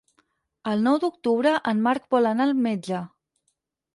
El nou d'octubre en Marc vol anar al metge.